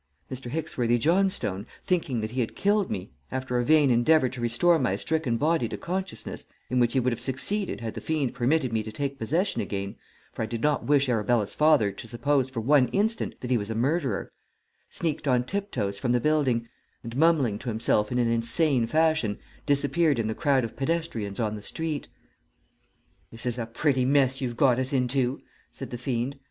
Mr. Hicksworthy Johnstone, thinking that he had killed me, after a vain endeavour to restore my stricken body to consciousness in which he would have succeeded had the fiend permitted me to take possession again, for I did not wish Arabella's father to suppose for one instant that he was a murderer sneaked on tip toes from the building, and, mumbling to himself in an insane fashion, disappeared in the crowd of pedestrians on the street. "'This is a pretty mess you've got us into,' said the fiend.